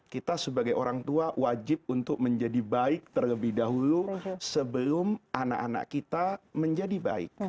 kita sebagai orang tua wajib untuk menjadi baik terlebih dahulu sebelum anak anak kita menjadi baik